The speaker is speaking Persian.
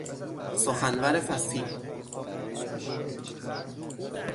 سخنور فصیح